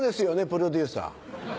プロデューサー。